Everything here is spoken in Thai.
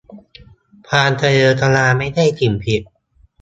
ความทะเยอทะยานไม่ใช่สิ่งผิด